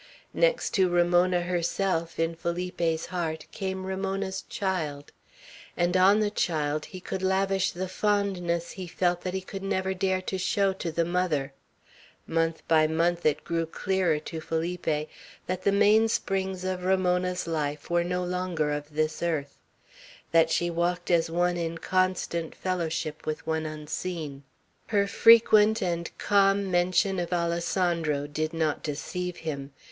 Next to Ramona herself in Felipe's heart came Ramona's child; and on the child he could lavish the fondness he felt that he could never dare to show to the mother, Month by month it grew clearer to Felipe that the mainsprings of Ramona's life were no longer of this earth; that she walked as one in constant fellowship with one unseen. Her frequent and calm mention of Alessandro did not deceive him.